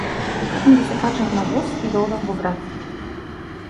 Сакам да се качам на воз и да одам во град.